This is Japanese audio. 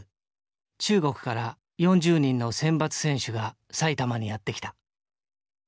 中国から４０人の選抜選手が埼玉にやって来た。